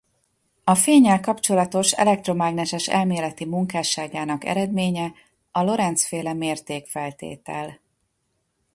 A fénnyel kapcsolatos elektromágneses elméleti munkásságának eredménye a Lorenz-féle mérték feltétel.